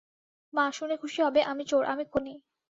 মা, শুনে খুশি হবে, আমি চোর, আমি খুনি।